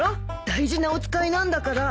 大事なお使いなんだから。